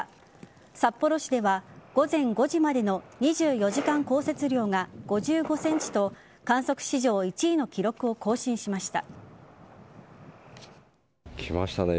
札幌市では午前５時までの２４時間降雪量が５５ｃｍと観測史上１位の記録を更新しました。